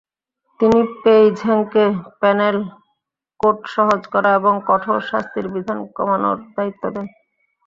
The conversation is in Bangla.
তিনি পেই ঝেংকে প্যানেল কোড সহজ করা এবং কঠোর শাস্তির বিধান কমানোর দায়িত্ব দেন।